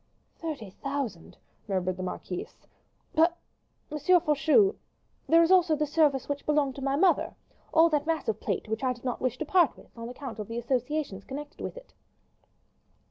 "Thirty thousand," murmured the marquise. "But, M. Faucheux, there is also the service which belonged to my mother; all that massive plate which I did not wish to part with, on account of the associations connected with it."